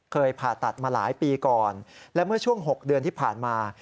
ผ่าตัดมาหลายปีก่อนและเมื่อช่วง๖เดือนที่ผ่านมา